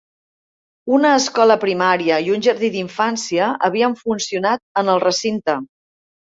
Una escola primària i un jardí d'infància havien funcionat en el recinte.